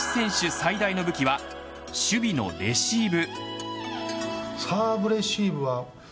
最大の武器は守備のレシーブ。